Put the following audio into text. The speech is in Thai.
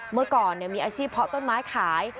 เมื่อก่อนมีอาชีพเพาะต้นไม้ขาย